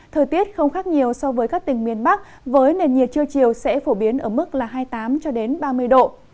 thời tiết không khác nhiều so với các tỉnh miền bắc với nền nhiệt trưa chiều sẽ phổ biến ở mức hai mươi tám ba mươi độ